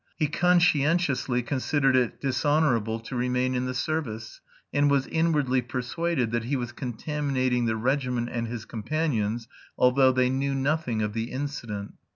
He conscientiously considered it dishonourable to remain in the service, and was inwardly persuaded that he was contaminating the regiment and his companions, although they knew nothing of the incident.